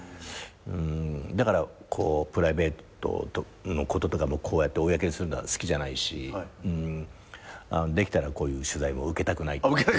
だからプライベートのこととかも公にするのは好きじゃないしできたらこういう取材も受けたくない。